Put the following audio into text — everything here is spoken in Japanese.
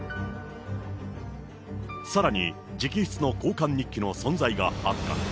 さらに、直筆の交換日記の存在が発覚。